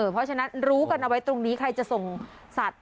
เพราะฉะนั้นรู้กันเอาไว้ตรงนี้ใครจะส่งสัตว์